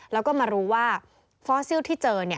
แล้วก็มารู้ว่าฟอสซิลที่เจอ